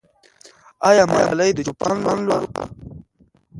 آیا ملالۍ د چوپان لور وه؟